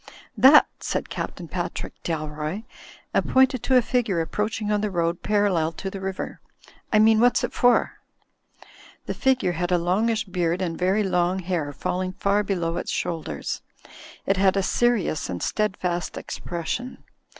*'That!" said Captain Patrick Dalroy, and pointed to a figure approaching on the road parallel to the river, "I mean, what's it for?" The figure had a longish beard and very long hair falling far below its shoulders. It had a serious and steadfast expression.